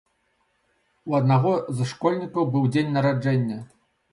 У аднаго з школьнікаў быў дзень нараджэння.